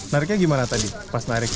nariknya gimana tadi pas narik